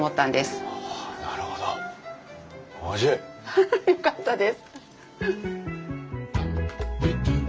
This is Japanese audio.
ハハよかったです。